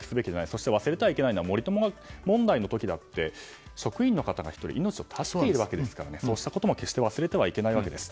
そして忘れてはいけないのは森友問題の時だって職員の方が１人命を絶っているわけですからそうしたことも決して忘れてはいけないわけです。